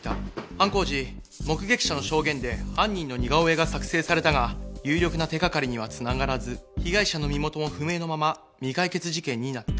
犯行時目撃者の証言で犯人の似顔絵が作成されたが有力な手がかりには繋がらず被害者の身元も不明のまま未解決事件になった。